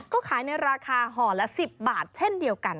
ก็ขายในราคาห่อละ๑๐บาทเช่นเดียวกัน